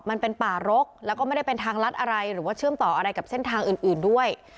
มันเป็นป่ารกแล้วก็ไม่ได้เป็นทางลัดอะไรหรือว่าเชื่อมต่ออะไรกับเส้นทางอื่นด้วย